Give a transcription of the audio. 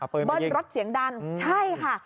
เบิ้ลรถเสียงดังใช่ค่ะ